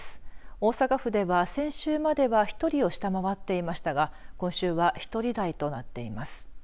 大阪府では先週までは１人を下回っていましたが今週は１人台となっています。